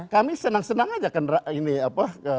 kami senang senang aja kan ini apa